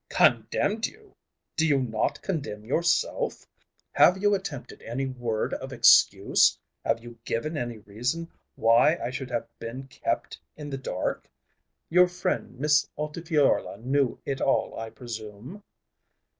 "Condemned you! Do you not condemn yourself? Have you attempted any word of excuse? Have you given any reason why I should have been kept in the dark? Your friend Miss Altifiorla knew it all I presume?"